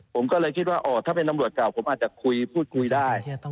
ผมก็เลยคิดว่าถ้าเป็นตำรวจเก่าผมอาจจะคุยพูดคุยได้